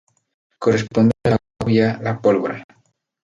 Corresponde a la Autovía La Pólvora.